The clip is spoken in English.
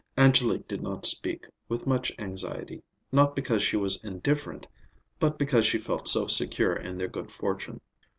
Angélique did not speak with much anxiety, not because she was indifferent, but because she felt so secure in their good fortune.